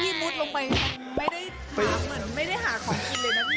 พี่มุดลงไปไม่ได้หาของกินเลยนะพี่